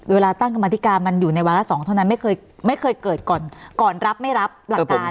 เวลาตั้งกรรมธิการมันอยู่ในวาระ๒เท่านั้นไม่เคยไม่เคยเกิดก่อนก่อนรับไม่รับหลักการ